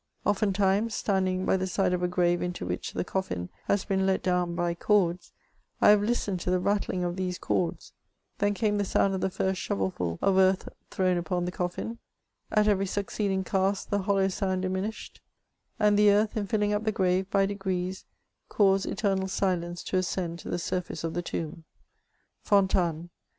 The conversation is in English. Oftentimes, standing by the side of a grave into which the coffin has been let down by cords, I have listened to the rattling of these cords ; then came the sound of the first shovelful of earth thrown upon the coffin ; at every succeeding cast the hollow sound diminished, and the earth, in filling up the grave, by degrees, caused eter nal silence to ascend to the sur&ce of the tomb. Fontanes!